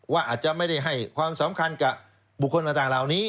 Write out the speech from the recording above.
อาจจะไม่ได้ให้ความสำคัญกับบุคคลต่างเหล่านี้